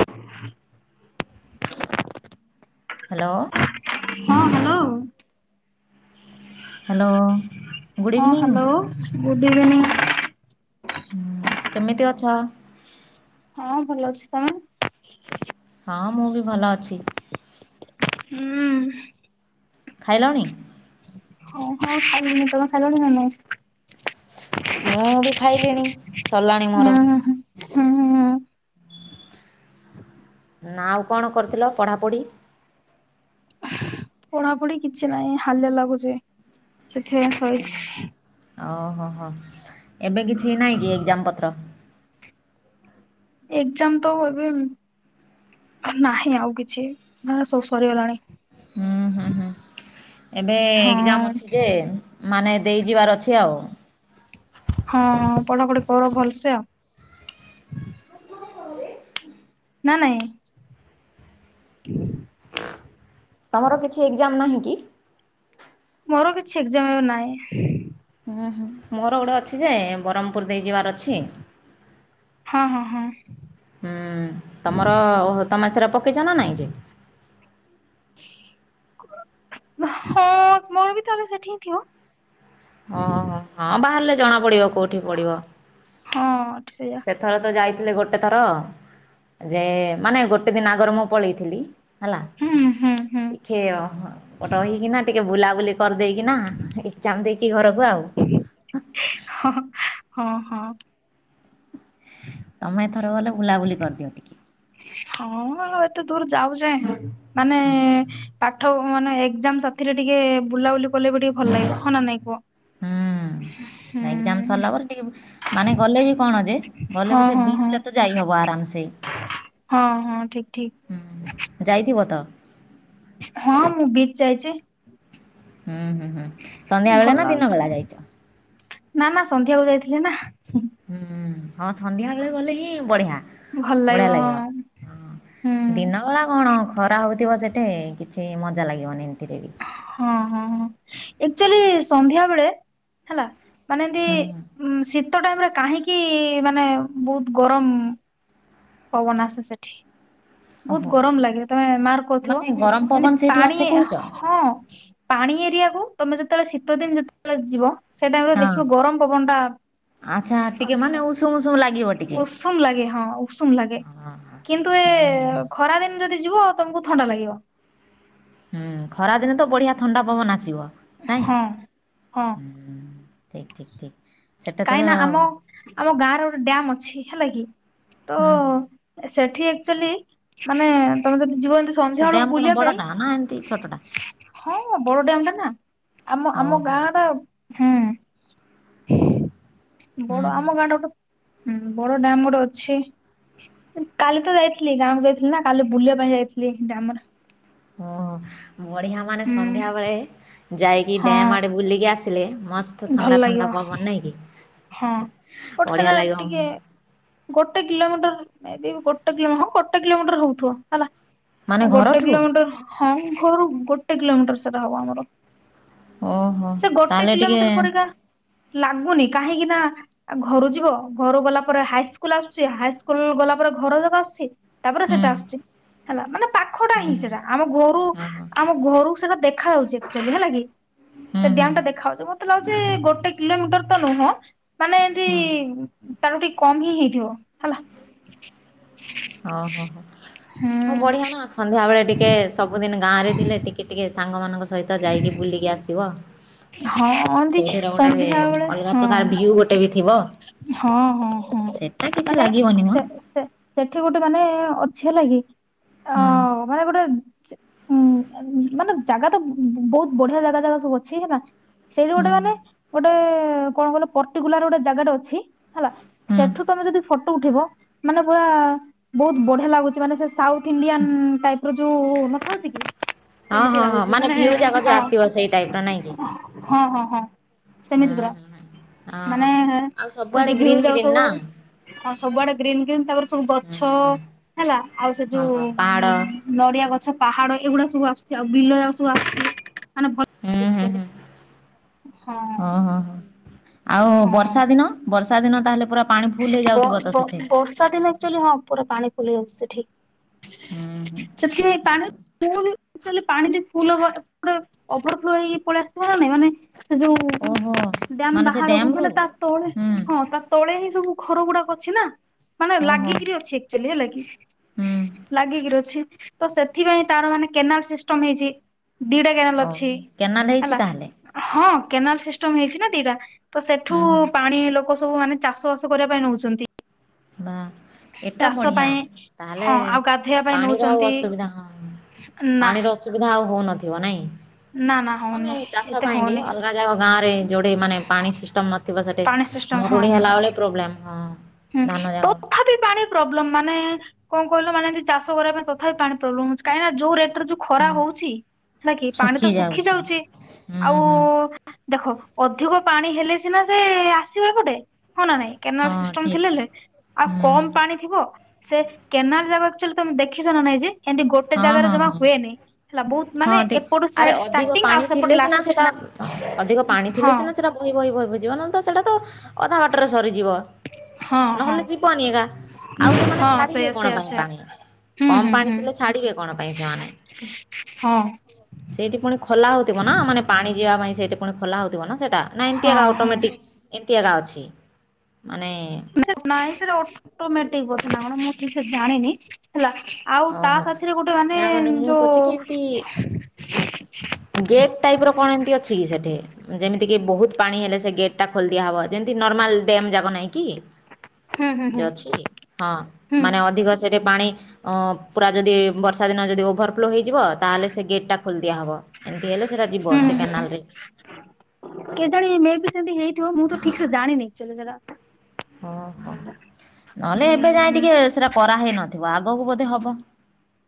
ହଁ ହାଲୋ। ହଁ hello. Hello. ହଁ ହାଲୋ ଗୁଡ଼୍ ଇଭିନିଂ। ହୁଁ କେମିତି ଅଛ। ହଁ ଭଲ ଅଛି ତମେ। ହଁ ମୁଁ ବି ଭଲ ଅଛି। ହୁଁ। ଖାଇଲଣି। ହଁ ଖାଇଲିଣି ତମେ ଖାଇଲଣି ନା ନାଇ। ମୁଁ ବି ଖାଇଲିଣି ସରିଲାଣି ହୁଁ ମୋର। ହୁଁ ହୁଁ ନା ଆଉ କଣ କରିଥିଲ ପଢ଼ାପଢ଼ି। ପଢା ପଢି କିଛି ନାହିଁ ହାଲିଆ ଲାଗୁଚି ସେଥିପାଇଁ ଶୋଇଛି। ଓହୋ ହୋ ଏବେ କିଛି ନହିଁ କି ଏକ୍ଜାମ ପତ୍ର। ଏକଜାମ୍ ତ ଏବେ ମ୍ ନାହିଁ ଆଉ କିଛି ନା ସବୁ ସରିଗଲାଣି। ହୁଁ ହୁଁ ହୁଁ ଏବେ ହଁ ଏକଜାମ୍ ଅଛି ଯେ ମାନେ ଦେଇ ଯିବାର ଅଛି ଆଉ। ହଁ ପଢାପଢି କର ଭଲସେ୍ ଆଉ। ନା ନାଇଁ। ହ [inaudible] ତମର କିଛି ଏକଜାମ୍ ନାହିଁ କି? ମୋର କିଛି ଏକଜାମ୍ ଏବେ ନାଇଁ। ହୁଁ ହୁଁ ମୋର ଗୋଡେ ଅଛି ଯେ ବରହମ୍ ପୁର ଦେଇ ଯିବାର ଅଛି ହଁ ହଁ ହଁ ହୁଁ ତମର ଓହୋ ତମ ଆଚାର ପକେଇଚ ନା ନାଇଁ ଯେ? ହଁ ମୋର ବି ତାହେଲେ ସେଠି ହିଁ ଥିବ? ଓହୋ ହଁ ବାହାରିଲେ ଜଣା ପଡିବ କୋଉଠି ପଡିବ ହଁ ଏଠି ସେୟା। ଏଥର ତ ଯାଇଥିଲେ ଗୋଟେ ଥର ଯେ ମାନେ ଗୋଟେ ଦିନ ଆଗରୁ ମୁଁ ପଳେଇଥିଲି ହୁଁ ହୁଁ ହୁଁ ଟିଖେ ରହିକିନା ଟିକେ ବୁଲାବୁଲି କରିଦେଇକିନା ଏକ୍ ଜାମ୍ ଦେଇକି ଘରକୁ ଆଉ। ହ ହଁ ହଁ ହ ହ। ତମେ ଏଥର ଗଲେ ବୁଲାବୁଲି କରିଦିଅ ଟିକେ। ହଁ ଆଉ ଏତେ ଦୂର୍ ଯାଉଚେ ମାନେ ହୁଁ [inaudible] ପାଠ ମାନେ ଏକଜାମ୍ ସାଥିରେ ଟିକେ ବୁଲାବୁଲି କଲେ ବି ଟିକେ ଭଲ ଲାଗେ ହ ନା ନାଇଁ କୁଅ ହୁଁ ଏକଜାମ୍ ସରିଲା ପରେ ଟିକେ ମାନେ ଗଲେ ବି କଣ ଯେ ଗଲେ ହଁ ବି ସେ ହଁ ବିଚ୍ ହଁ ଟା ତ ଯାଇ ହବ ଆରାମ୍ ସେ ହଁ ହଁ ଠିକ ଠିକ ହୁଁ ଯାଇଥିବ ତ? ହଁ ମୁଁ ବିଚ୍ ଯାଇଚି। ହୁଁ ହୁଁ ହୁଁ। ସନ୍ଧ୍ୟା ବେଳେ ନା ଭଲ ଆ ଦିନ ବେଳା ଯାଇଛ? ନା ନା ସନ୍ଧ୍ୟାକୁ ଯାଇଥିଲେ ନା। ହୁଁ ହଁ ସନ୍ଧ୍ୟା ବେଳେ ଗଲେ ହିଁ ବଢିଆ ଭଲ ବଢିଆ ହଁ ଲାଗିବ। ହୁଁ ହ ଦିନ ବଳା କଣ ଖରା ହଉଥିବ ସେଠେ କିଛି ମଜା ଲାଗିବନି ଏମିତିରେ ବି ହଁ ହଁ ହଁ ଏକ୍ଚୁଆଲି ସନ୍ଧ୍ୟା ବେଳେ ହେଲା ମାନେ ଏନ୍ତି ହୁଁ ଉଁ ଶୀତ ଟାଇମ୍ ରେ କାହିଁକି ମାନେ ବହୁତ୍ ଗରମ ପବନ ଆସେ ସେଠି। ବହୁତ୍ ଓହୋ ଗରମ୍ ଲାଗେ ତମେ ମାର କରୁଥିବ ମାନେ ଗରମ ଏମତି ପବନ ସେଇଠୁ ପାଣି ଆସେ କହୁଛ ହଁ ପାଣି ଏରିଆକୁ ତମେ ଯେତବେଳେ ଶୀତ ଦିନ୍ ଯେତବେଳେ ଯିବ ସେ ଟାଇମ୍ ରେ ହଁ ଦେଖିବ ଗରମ ପବନ ଟା ଆଚ୍ଛା ଟିକେ ମାନେ ଉଷୁମ ଉଷୁମ ଲାଗିବ ଟିକେ [inaudible] ଷୁମ ଲାଗେ ହଁ ଉଷୁମ ଲାଗେ ହଁ କିନ୍ତୁ ଏ ହଁ ହୁଁ ହୁଁ ହୁଁ ଖରା ଦିନ୍ ଯଦି ଯିବ ତମକୁ ଥଣ୍ଡା ଲାଗିବ। ହୁଁ ଖରାଦିନେ ତ ବଢ଼ିଆ ଥଣ୍ଡା ପବନ ଆସିବ ନାଇଁ? ହଁ ହଁ ହୁଁ ଠିକ୍ ଠିକ୍ ଠିକ୍। ସେଟା ତ କାଇଁ ହୁଁ ନା ଆମ ଆମ ଗାଁ ରେ ଗୋଟେ ଡ୍ୟାମ୍ ଅଛି ହେଲା କିି ହୁଁ ତ ସେଠି ଆକ୍ଚୁଆଲି ମାନେ ତମେ ଯଦି ଯିବ ଏମିତି ସେ ସନ୍ଧ୍ୟା ଡ୍ୟାମ୍ ବେଳକୁ କଣ ବୁଲିବା ପାଇଁ ବଡ଼ଟା ନା ଏମିତି ଛୋଟଟା ହଁ ବଡ ଡ଼୍ୟାମ୍ ଟା ନା ଆମ ଓହୋ ଆମ ଗାଁ ର ହୁଁ ହୁଁ ବଡ ହୁଁ ଆମ ଗାଁ ଗୋଟେ ବଡ ଡ଼୍ୟାମ୍ ଗୋଟେ ଅଛି କାଲି ତ ଯାଇଥିଲି ଗାଁକୁ ଯାଇଥିଲି ନା କାଲି ବୁଲିବା ପାଇଁ ଯାଇଥିଲି ଡ଼୍ୟାମର ଓ ହୋ ବଢିଆ ମାନେ ହୁଁ ସନ୍ଧ୍ୟାବେଳେ ଯାଇକି ହଁ ଡ୍ୟାମ୍ ଆଡେ ବୁଲିକି ଆସ ଥିଲେ ମସ୍ତ ଭଲ ଥଣ୍ଡା ଲାଗିବ ଥଣ୍ଡା ପବନ ନହିଁକି? ହଁ ମତେ [unintelligible] ସେଟା ଟିକେ ଗୋଟେ କିଲୋମିଟର ଏବି ଗୋଟେ କିଲୋ ହଁ ଗୋଟେ କିଲୋମିଟର ହଉଥିବ ହେଲା। ମାନେ ଗୋଟେ ଘରଠୁ କିଲୋମିଟର ହଁ ଘରୁ ଗୋଟେ କିଲୋମିଟର ସେଟା ହବ ଆମର। ଓହୋ ସେ ଗୋଟେ ତାହେଲେ ଟିକେ କିଲୋମିଟର ପରିକା ଲାଗୁନି, କାହିଁକି ନା ଆ ଘରୁ ଯିବ ଘରୁ ଗଲା ପରେ ହାଇସ୍କୁଲ ଆସୁଛି, ହାଇ ସ୍କୁଲ ଗଲା ପରେ ଘର ଯକ ଆସୁଛି। ତାପରେ ହୁଁ ସେଟା ଆସୁଚି ହେଲା ମାନେ ପାଖଟା ହୁଁ ହିଁ ହୁଁ ସେଟା ଆମ ଘରୁ ହଁ ହଁ। ଆମ ଘରୁକୁ ସେଇଟା ଦେଖାଯାଉଚି ହେଲା କି ହୁଁ ସେ ହୁଁ। ଡ୍ୟାଙ୍କ ଟା ଦେଖା ଯାଉଚି। ମତେ ଲାଗୁ ଚି ଗୋଟେ କିଲୋମିଟର ତ ନୁହଁ, ମାନେ ହଁ ତାର ଟିକେ କମ ହିଁ ହେଇଥିବ ହେଲା। ଓ ହୋ ହୋ ହଁ ହୁଁ ବଢିଆ ନା ସନ୍ଧ୍ୟାବେଳେ ଟିକେ ସବୁଦିନ ଗାଁ ରେ ଥିଲେ ଟିକେ କି ଟିକେ ସାଙ୍ଗ ମାନଙ୍କ ସହିତ ଯାଇକି ବୁଲିକି ଆସିବ। ହଁ ଏମତି ସେଇଠିର ଗୋଟେ ସନ୍ଧ୍ୟା ବେଳେ ଅଲଗା ହଁ ପ୍ରକାର ଭିଉ ଗୋଟେ ବି ଥିବ। ହଁ ହଁ ହଁ ସେଟା କିଛି ମାନେ ଲାଗିବନି ମ ସେ ସେ ସେଠି ଗୋଟେ ମାନେ ଅଛି ହେଲାକି ଅ। ହୁଁ ମାନେ ଗୋଟେ ସେ ଉଁ ମାନେ ଜାଗା ତ ବହୁତ ବଢିଆ ଜାଗା, ଜାଗା ସବୁ ଅ ସେଇଠିନା ସେଇଠି ହୁଁ ଗୋଟେ ମାନେ ଗୋଟେ କଣ କହିଲ ପର୍ଟିକୁଲାର ଗୋଟେ ଜାଗାଟା ଅଛି। ହେଲା ହୁଁ। ସେଠୁ ତମେ ଯଦି ଫଟୋ ଉଠିବ, ମାନେ ପୁରା ବହୁତ ବଢିଆ ଲାଗୁଚି, ମାନେ ସେ ସାଉଥ ଇଣ୍ଡିଆନ ଟାଇପ ର ଯୋଉ ନଥାଉଛି କି ହଁ ସେମିତି ହଁ ହଁ ରହୁଚି। ମାନେ ଭିଉ ଯାକ ହଁ ଯୋଉ ଆସିବ ସେଇ ଟାଇପ ର ନାଇଁ କି? ହଁ, ହଁ, ହଁ ହୁଁ ସେମିତି ପୁରା। ହୁଁ ହୁଁ ହଁ ହଁ ଆଉ ମାନେ ସବୁଆଡେ ଭିଉ ଗ୍ରୀନ୍ ଯାଉ ଗ୍ରୀନ୍ ସବୁ ନା? ହଁ ସବୁଆଡେ ଗ୍ରୀନ୍, ଗ୍ରୀନ୍ ତାପରେ ସବୁ ହୁଁ ଗଛ ହଁ ହେଲା ଆଉ ସେ ହଁ ଯୋଉ ପାହାଡ ନଡିଆ ଗଛ, ପାହାଡ ଏଗୁଡା ସବୁ ଆସୁଛି, ଆଉ ବିଲ ଯା ସବୁ ଆସୁଛି। ମାନେ ହୁଁ ସିଂ ହୁଁ ଚାଲି ହୁଁ ହଁ ହଁ ହଁ। ଆଉ ହଁ ବର୍ଷା ଦିନ, ବର୍ଷା ଦିନ ତାହେଲେ ପୁରା ପାଣି ଫୁଲ ବ ହେଇଯାଉଥିବ ତ ବ ସେଠି। ବର୍ଷା ଦିନେ ଆକ୍ ଚାଲି ହଁ ପୁରା ପାଣି ଫୁଲେଇ ଯାଉଚି ସେଠି। ହୁଁ, ହୁଁ ଅ ପାଣି [unintelligible] ପାଣି ଟ ଫୁଲ ପ ଓଭର ଫ୍ଲୋ ହେଇକି ପଳେଇ ଆସାନାଇ ମାନେ [unintelligible] ଓହୋ ଯୋଉ ଡାମ ମାନେ ସେ ଡ୍ୟାମ ବାହାରକୁ ରୁ? ମାନେ ତା ତଳେ ହୁଁ ହଁ ତା ତଳେ ହି ସବୁ ଘର ଗୁଡାକ ଅଛି ନା, ମାନେ ଓହୋ ଲାଗିକିରି ଅଛି ଆକ୍ଲି ହେଲା କି। ହୁଁ ଲାଗିକି ରଛି ତ ସେଥିପାଇଁ ତାର ମାନେ କେନାଲ ସିଷ୍ଟମ ହେଇଚି। ଦିଟା କେନାଲ ଓ ଅଛି କେନାଲ ହେଇଛି ହେଲା। ତାହେଲେ? ହଁ କେନାଲ ସିଷ୍ଟମ ହେଇଛି ନା ଦିଟା, ତ ସେଠୁ ହୁଁ ହୁଁ ପାଣି ଲୋକ ସବୁ ମାନେ ଚାଷ ବାସ କରିବା ପାଇଁ ନେଉଚନ୍ତି। ବା ଏଟା ବଢ଼ିଆ ପାଇଁ ତାହେଲେ ହଁ ଆଉ ଗାଧୋଇବା ପାଇଁ ପାଣିର ଆଉ ନଉଛନ୍ତି ଅସୁବିଧା ହଁ ନା ପାଣିର ଅସୁବିଧା ଆଉ ହଉନଥିବ ନାଇଁ, ନା ନା ହଉନି ମାନେ ଚାଷ ଏତେ ପାଇଁ ବି ହଉନି। ଅଲଗ ଯ ଯାକ ଗାଁ ରେ ଯୋଉଠି ମାନେ ପାଣି ସିଷ୍ଟମ ନଥିବ ସେଠୂ ପାଣି ସିଷ୍ଟମ ହଁ ମରୁଡି ହେଲା ବଳେ ପ୍ରୋବ୍ଲେମ ହଁ। ହୁଁ ଧାନ ଯାକ ତଥାବି ପାଣି ପ୍ରୋବ୍ଲେମ ମାନେ କଣ କହିଲ ମାନେ ଏଠି ଚାଷ କରିବା ପାଇଁ ତଥାିପି ପ୍ରୋ୍ଲେମ୍ ହଉଛି କାହିଁକିନା ଯୋଉ ରେଟରେ ଯୋଉ ଖରା ହୁଁ ହଉଚି ନାଁକି ପାଣି ତ ଶୁଖି ଯାଉଚି ହୁଁ ଆଉ ହୁଁ ଦେଖ ଅଧିକ ପାଣି ହେଲେ ସିନା ସେ ଆସିବ ଏପଟେ ହଁ ନା ନାଇଁ? କେନାଳ ହଁ ସିଷ୍ ଠିକ ହେଲେ ଆଉ ହୁଁ କମ୍ ପାଣି ଥିବ ସେ କେନାଲ ଯାକ ଆକ୍ଚୁଲି ତୋମେ ଦେଖିଛ ନା ନାଇଁ ଯେ? ଏମିତି ଗୋଟେ ହଁ ଜାଗାରେ ହଁ ଜମା ହଁ। ହୁଏନି, ହେଲା ବହୁତ ହଁ ମାନେ ଠିକ ଏପଟୁ ଆରେ ସାଇଟ୍ ଅଧିକ ଷ୍ଟାଟିଙ୍ଗ ପାଣି ଆଉ ଥିଲେ ସେପଟୁ ସିନା ଲାଷ୍ଟ। ସେଟା ଅଧିକ ପାଣି ଥିଲେ ହଁ ସିନା ସେଟା ବୋହି ବୋହି ବୋହି ବୋହି ଯିବ ନହେନେ ତ ସେଟା ତ ଅଧା ବାଟରେ ସରିଯିବ। ହଁ ହଁ ନହେଲେ ଯିବନି ଏଗା, ଆଉ ସେମାନେ ହଁ ଛାଡିବେ ସେଇଆ କଣ ସେଇଆ ପାଇଁ ସେଇଆ ପାଣି। ହୁଁ କମ୍ ହୁଁ ପାଣି ହୁଁ ଥିଲେ ଛାଡିବେ କଣ ପାଇଁ ସେମାନେ। ହଁ ସେଇଟି ପୁଣି ଖୋଲା ହଉଥିବ ନା, ମାନେ ପାଣି ଯିବା ପାଇଁ ସେଇଟି ପୁଣି ଖୋଲା ହଉଥିବ ନା ସେଟା। ନା ଏମତି ହଁ ଏଗା ହଁ ଅଟୋମେଟିକ୍ ଏମିତି ଏଗା ଅଛି ମାନେ ନାଇଁ ସେଟା ଅଟୋମେଟିକ୍ ବୋଧେ ନା କଣ ମୁଁ ଠିକ୍ ସେ ଜାଣିନି ହେଲା। ଆଉ ତା ଓହୋ ସାଥିରେ ଗୋଟେ ମାନେ ଯୋଉ ଗେପ୍ ଟାଇପ୍ ର କଣ ଏମିତି ଅଛି କି ସେଠି? ଯେମିତି କିି ବହୁତ ପାଣି ହେଲେ ସେ ଗେଟ୍ ଟା ଖୋଲି ଦିଆହବ ଯେମିତି ନର୍ମାଲ ଡ୍ୟାମ୍ ଯାକ ନାହିଁ କି? ହୁଁ ହୁଁ ହୁଁ ଯୋ ଅଛି ହଁ ହୁଁ ମାନେ ଅଧିକ ସେଠି ପାଣି‌ ଅ, ପୁରା ଯଦି ବର୍ଷା ଦିନ ଯଦି ଓଭରଫ୍ଲୋ ହେଇଯିବ ତାହେଲେ ସେ ଗେଟ୍ ଟା ଖୋଲିଦିଆହବ। ଏମିତି ହେଲେ ସେରା ଯିବ ହୁଁ ହୁଁ ସେ ହୁଁ କେନାଲ୍ ରେ। କେଜାଣି ମେଏବି ସେମିତି ହେଇଥିବ ମୁଁ ତ ଠିକ୍ ସେ ଜାଣିନି ଏକ୍ଚୁଲି ସେଟା। ହଁ ଓହୋ, ନହେଲେ ଏବେ ହୁଁ ଯାଏଁ ହୁଁ। ଟିକେ ସେରା କରାହେଇନଥିବ ଆଗକୁ ବୋଧେ ହବ।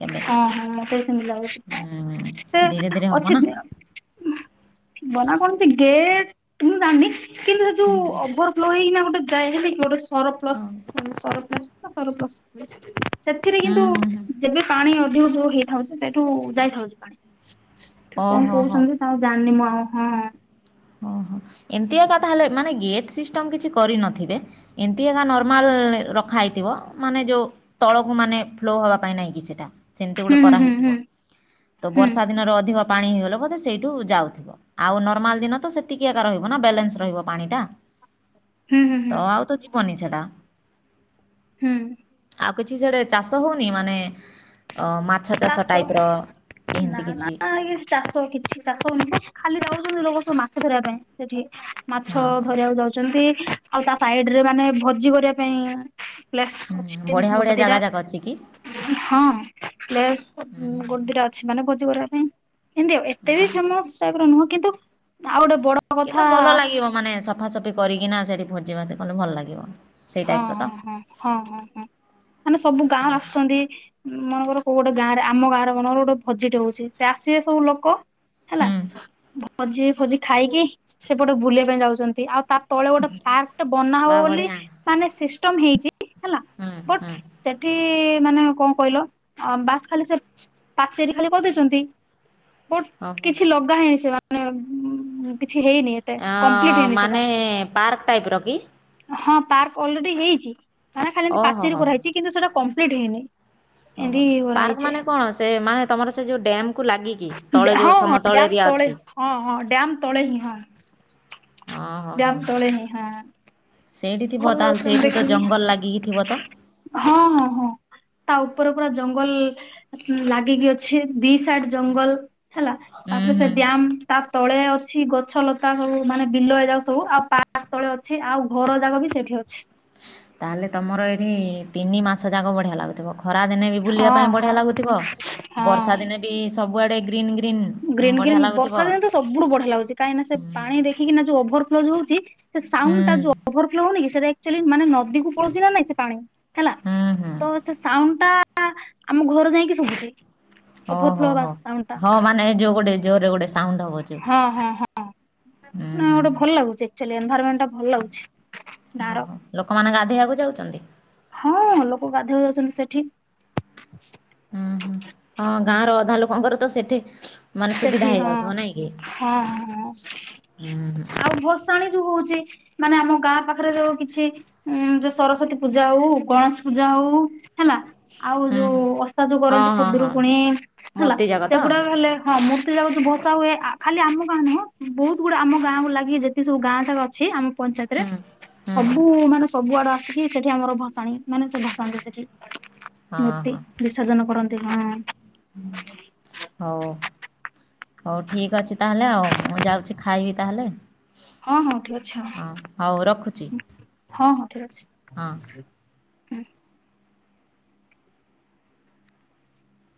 କେବେ। ଅଁ, ହଁ ମୋତେ ସେମତି ଲାଗୁଛି, ହୁଁ ସେ ଧୀରେ ଧୀରେ ହବ ଅଛି ନା। [inaudible] ନା ବନା କୌଣସି ଗେଟ୍ ମୁଁ ଜାଣିନି। କିନ୍ତୁ ଯୋଉ ଓଭରଫ୍ଲୋ ହେଇକିନା ଗୋଟେ ଯାଏ ହେଲେ କି ଗୋଟେ ସରପ୍ଲସ୍। ହଁ। ମାନେ ସରପ୍ଲସ୍ ତ ସରପ୍ଲସ, [inaudible] ସେଥିରେ ହୁଁ କିନ୍ତୁ ହୁଁ ହୁଁ ଯେବେ ପାଣି ଅଧିକ ଯୋର ହେଇଥାଉଛି ସେଇଠୁ ଯାଇଥାଉଛି ପାଣି, ସେ କଣ ଓହୋ ହୋ କହୁଛନ୍ତି? ଆଉ ଜାଣିନି ମୁଁ ଆଉ ହଁଁ। ଓହୋ, ଏମିତିଆ କଥା ହେଲେ ମାନେ ଗେଟ୍ ସିଷ୍ଟମ୍ କିଛି କରିନଥିବେ। ଏମତି ଏକା ନର୍ମାଲ୍ ରଖା ହେଇଥିବ ମାନେ ଯୋଉ ତଳକୁ ମାନେ ଫ୍ଲୋ ହବା ପାଇଁ ନାହିଁ କି ସେଟା ସେମିତି ହୁଁ ଗୋଟେ ହୁଁ ହୁଁ କରାହେଇଥିବ। ତ ହୁଁ। ବର୍ଷା ଦିନର ଅଧିକ ପାଣି ହେଇଗଲେ ବୋଧେ ସେଇଠୁ ଯାଉଥିବ, ଆଉ ନର୍ମାଲ ଦିନ ତ ସେତିକି ଏକା ରହିବ ନା ବେଲେନ୍ସ ରହିବ ପାଣି ଟା, ହୁଁ ହୁଁ ହୁଁ ତ ଆଉ ତ ଯିବନି ସେଟା। ହୁଁ। ଆଉ କିଛି ସିଆଡେ ଚାଷ ହଉନି ମାନେ ଅ, ମାଛ ତା ଚାଷ ତ ଟାଇପ୍ ର ନା କିମତି ନା କିଛି? ଏ ଚାଷ କିଛି ଚାଷ ହଉନି ସେ ଖାଲି ଯାଉଛନ୍ତି ଲୋକ ସବୁ ମାଛ ଧରିବା ପାଇଁ ସେଠି। ମାଛ ହଁ ହଁ ଧରିବାକୁ ଯାଉଛନ୍ତି, ଆଉ ତା ସାଇଡ୍ ରେ ମାନେ ଭୋଜି କରିବା ପାଇଁ ପ୍ଲେସ୍ ଅଛି ହୁଁ ଟିନ୍ ବଢ଼ିଆ ଗୋଟେ ବଢ଼ିଆ ଦିଟା। ଜାଗା ଯାକ ଅଛି କି? ହଁ ପ୍ଲେସ୍ ଉଁ, ହୁଁ ହୁଁ ଗୋଟେ ଦିଟା ହୁଁ ଅଛି ମାନେ ଭୋଜି କରିବା ପାଇଁ। ଏମତି ଆଉ, ଏତେ ବି ହୁଁ। ହୁଁ। ଫେମସ୍ ଟାଇପ୍ ର ନୁହଁ କିନ୍ତୁ ଆଉ ଗୋଟେ ବଡ କିନ୍ତୁ କଥା ଭଲ ଲାଗିବ ମାନେ ସଫାସଫି କରିକିନା ସେଠି ଭୋଜିଭାତ କଲେ ଭଲ ଲାଗିବ। ସେଇ ହଁ, ଟାଇପ୍ ର ତ ହଁ, ହଁ, ହଁ, ହଁ, ହଁ, ମାନେ ସବୁ ଗାଁ ଆସୁଛନ୍ତି। ମନେକର କୋଉ ଗୋଟେ ଗାଁରେ ଆମ ଗାଁରେ ମନେକର ଗୋଟେ ଭୋଜିଟେ ହଉଛି ସେ ଆସିବେ ସବୁ ଲୋକ। ହେଲା ହୁଁ ଭୋଜି ଫୋଜି ଖାଇକି ସେପଟେ ବୁଲିବା ପାଇଁ ଯାଉଛନ୍ତି। ଆଉ ତା ତଳେ ଗୋଟେ ଫ୍ଲାଟ୍ ଟେ ବା ବନାହବ ବୋଲି ବଢ଼ିଆ ମାନେ ସିଷ୍ଟମ୍ ହେଇଛି ହେଲା। ହୁଁ। ବଟ୍ ହୁଁ ସେଠି ମାନେ କଣ କହିଲ ଅ, ବାସ୍ ଖାଲି ସେ ପାଚେରୀ ଖାଲି କରିଦେଇଛନ୍ତି। ବଟ୍ ଓହୋ। କିଛି ଲଗାହେଇନି ସେ ମାନେ କିଛି ହେଇନି ଏ ଅଁ ମାନେ ପାର୍କ ଟାଇପ୍ ର କି? ହଁ ପାର୍କ ଅଲରେଡି ହେଇଛି ମାନେ ଖାଲି ଏମିତି ଓହୋ ପାଚେରି ହୋ। କରାହେଇଚି କିନ୍ତୁ ସେଟା କମ୍ପ୍ଲିଟ୍ ହେଇନି। ଓହୋ ଏମିତି ପାର୍କ କରାହେଇଛି ମାନେ କଣ ସେ ମାନେ ତମର ସେ ଯୋଉ ଡ୍ୟାମ୍ କୁ ଲାଗିକି? ତଳେ ଯୋଉ ହଁ ହଁ ସମତଳ ଡ୍ୟାମ ଏରିଆ ତଳେ ଅଛି। ହଁ ହଁ ଡ୍ୟାମ ତଳେ ହିଁ ହଁ। ଓହୋ ହୋ ଡ୍ୟାମ ତଳେ ହିଁ ହଁ। ସେଇଠି ଥିବ ଭଲ ତାହେଲେ ଲାଗୁଥିଲା ମୁଁ ସେଇଠୁ ତ ଦେଖିକି ଜଙ୍ଗଲ ଲାଗିକି ଥିବ ତ? ହଁ ହଁ ହଁ ତା ଉପରେ ପୁରା ଜଙ୍ଗଲ ଲାଗିକି ଅଛି ଦି ସାଟ ଜଙ୍ଗଲ ହେଲା ଉୁଁ ତାପରେ ହୁଁ ସେ ଡ୍ୟାମ ତା ତଳେ ଅଛି ଗଛ ଲତା ସବୁ ମାନେ ବିଲ ଏରା ସବୁ ଆଉ ପାର୍କ ତଳେ ଅଛି ଆଉ ଘର ଯାକ ବି ସେଇଠି ଅଛି। ତାହେଲେ ତମର ଏଠି ତିନି ମାସ ଯାକ ବଢ଼ିଆ ଲାଗୁଥିବ। ଖରା ଦିନେ ବି ବୁଲିବା ହଁ ପାଇଁ ହଁ ବଢ଼ିଆ ଲାଗୁଥିବ ବର୍ଷା ହଁ। ଦିନେ ବି ସବୁଆଡ଼େ ଗ୍ରୀନ୍ ଗ୍ରୀନ୍। ଗ୍ରୀନ୍ ବଢ଼ିଆ ଗ୍ରୀନ୍ ଲାଗୁଥିବ ବର୍ଷା ଦିନେ ତ ସବୁଠୁ ବଢିଆ ଲାଗୁଛି କାହିଁକିନା ସେ ହୁଁ ପାଣି ଦେଖିକିନା ଯୋଉ ଓଭର ଫ୍ଲୋ ଯୋଉ ହଉଛି। ସେ ହୁଁ ସାଉଣ୍ଡ ଟା ଯୋଉ ଓଭର ଫ୍ଲୋ ହଉନି କି ସେଟା ଆକଚୁଆଲି ମାନେ ନଦୀକୁ ପଳଉଛି ନା ନାଇଁ ସେ ପାଣି। ହେଲା ହୁଁ ହୁଁ ତ ସେ ସାଉଣ୍ଡ ଟା ଆମ ଘର ଯାଇକି ଶୁଭୁଛି। ଓହୋ ଓଭରଫ୍ଲୋ ହବା ହୋ ସାଉଣ୍ଡ ଟା ହଁ ମାନେ ଯୋଉ ଗୋଟେ ଜୋରରେ ଗୋଟେ ସାଉଣ୍ଡ ହବ ଯୋଉ। ହଁ ହଁ ହଁ ହୁଁ ନାଁ ହୁଁ ଗୋଟେ ହୁଁ ଭଲ ଲାଗୁଛି ଆକଚୁଆଲି ଏନଭରମେଣ୍ଟ ଟା ଭଲ ଲାଗୁଛି। ଗାଁର ଓହୋ ଲୋକମାନେ ଗାଧୋଇବାକୁ ଯାଉଛନ୍ତି। ହଁ ଲୋକ ଗାଧୋଇବାକୁ ଯାଉଛନ୍ତି ସେଠି ହୁଁ ହୁଁ ହଁ ଗାଁ ର ଅଧା ଲୋକଙ୍କର ତ ସେଠି ମାନେ ସୁବିଧା ସେଠି ହଁ ହେଇଯାଉଥିବ ନାଇଁ କି ହଁ ହଁ ହୁଁ ହୁଁ ଆଉ ଭସାଣି ଯୋଉ ହଉଛି। ମାନେ ଆମ ଗାଁ ପାଖରେ ଯୋଉ କିଛି ଉ ଯୋଉ ସରସ୍ଵତୀ ପୂଜା ହଉ ଗଣେଶ ପୂଜା ହଉ। ହେଲା ଆଉ ହୁଁ ଯୋଉ ହୁଁ ଅସା ଯୋଉ ହଁ କରନ୍ତି ହଁ ହଁ ଖୁଦୁରୁକୁଣୀ ହେଲା ମୋତି ଯାକ ତ ସେଗୁଡାକ ହେଲେ। ହଁ ମୂର୍ତ୍ତି ଗୁଡା ଯୋଉ ଭସା ହୁଏ ଖାଲି ଆମ ଗାଁ ନୁହଁ ବହୁତ ଗୁଡା ଆମ ଗାଁକୁ ଲାଗି ଯେତିକି ସବୁ ଗାଁ ଯାକ ଅଛି ଆ ପଞ୍ଚାୟତରେ ହୁଁ ହୁଁ ସବୁ ମାନେ ସବୁଆଡେ ଆସିକି ସେଠି ଆମର ଭସାଣି ମାନେ ସେ ଭସାଣି ସେଠି ହଁ ମୂର୍ତ୍ତି ବି ସର୍ଜନ କରନ୍ତି ହଁ। ହୁଁ ହଉ ହଉ ଠିକ୍ ଅଛି ତାହେଲେ ଆଉ ମୁଁ ଯାଉଛି ଖାଇବି ତାହେଲେ। ହଁ ହଁ ଠିକ ଅଛି ହଁ ହଉ ରଖୁଛି ହଁ ହଁ ଠିକ ହଁ ଅଛି।